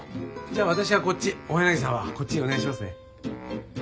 じゃあ私はこっち大柳さんはこっちお願いしますね。